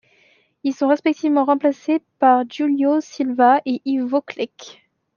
Ils sont respectivement remplacés par Júlio Silva et Ivo Klec.